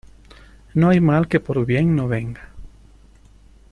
No hay mal que por bien no venga.